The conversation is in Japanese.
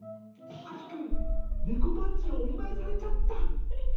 あきくん、猫パンチをお見舞いされちゃった。